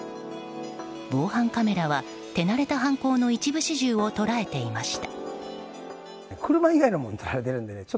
防犯カメラは手慣れた犯行の一部始終を捉えていました。